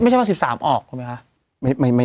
ไม่ใช่ว่า๑๓ออกถูกไหมคะ